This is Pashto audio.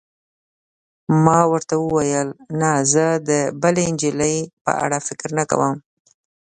ما ورته وویل: نه، زه د بلې نجلۍ په اړه فکر نه کوم.